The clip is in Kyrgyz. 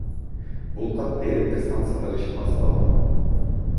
Бул катты Электр станциялар ишканасы да алган.